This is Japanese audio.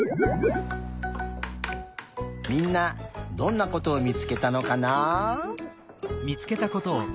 みんなどんなことを見つけたのかな？